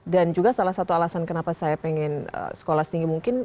dan juga salah satu alasan kenapa saya pengen sekolah setinggi mungkin